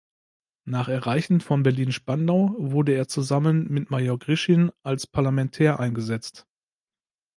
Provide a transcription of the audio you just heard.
Nach Erreichen von Berlin-Spandau wurde er zusammen mit Major Grischin als Parlamentär eingesetzt.